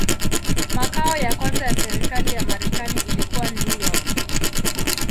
Makao ya kwanza ya serikali ya Marekani ilikuwa New York.